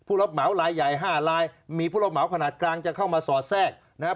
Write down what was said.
รับเหมาลายใหญ่๕ลายมีผู้รับเหมาขนาดกลางจะเข้ามาสอดแทรกนะครับ